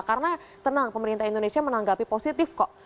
karena tenang pemerintah indonesia menanggapi positif kok